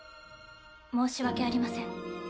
申し訳ありません。